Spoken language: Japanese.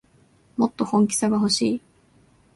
もっと本気さがほしい